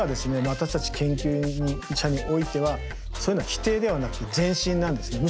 私たち研究者においてはそういうのは否定ではなくて前進なんですね。